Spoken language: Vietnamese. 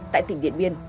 tại tỉnh điện biên